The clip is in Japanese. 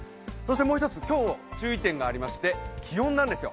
もう一つ今日、注意点がありまして気温なんですよ。